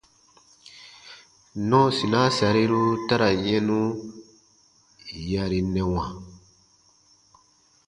Nɔɔsinaa sariru ta ra yɛnu yarinɛwa.